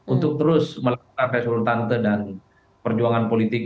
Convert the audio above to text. untuk terus melakukan resultante dan perjuangan politik